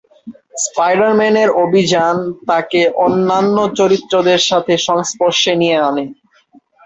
Spider Man এর অভিযান তাকে অন্যান্য চরিত্রদের সাথে সংস্পর্শে নিয়ে আনে।